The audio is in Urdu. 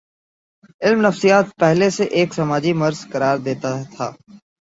علم نفسیات پہلے اسے ایک سماجی مرض قرار دیتا تھا۔